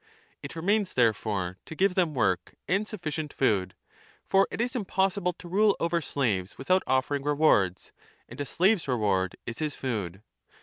It remains therefore to give them work and sufficient food ; for it is impossible to rule over slaves without offering rewards, and a slave s reward is his food.